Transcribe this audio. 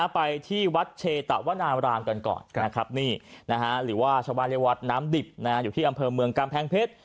ไปที่วัดเชตะวนารามกันก่อนนะครับนี่หรือว่าชาวบ้านเรียกวัดน้ำดิบอยู่ที่อำเภอเมืองกำแพงเพชร